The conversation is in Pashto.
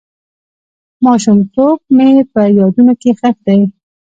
ماشومتوب مې په یادونو کې ښخ دی.